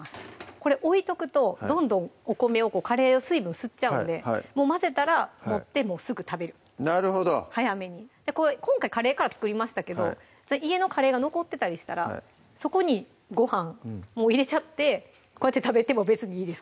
これ置いとくとどんどんお米カレーの水分吸っちゃうんで混ぜたら盛ってすぐ食べるなるほど今回カレーから作りましたけど家のカレーが残ってたりしたらそこにご飯入れちゃってこうやって食べても別にいいです